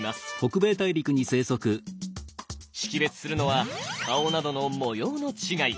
識別するのは顔などの模様の違い。